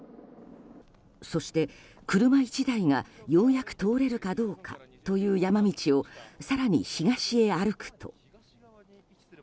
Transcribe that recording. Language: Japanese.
そして、車１台がようやく通れるかどうかという山道を更に東へ歩くと。